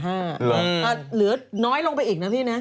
เหลือน้อยลงไปอีกนะพี่นะ